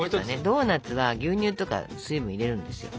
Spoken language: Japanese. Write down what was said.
ドーナツは牛乳とか水分を入れるんですよ。